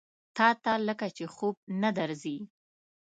تاته لکه چې خوب نه درځي؟